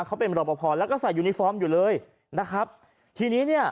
เขาเป็นรอปภแล้วก็ใส่ยูนิฟอร์มอยู่เลยนะครับทีนี้เนี่ย